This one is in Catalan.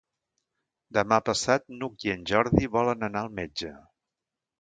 Demà passat n'Hug i en Jordi volen anar al metge.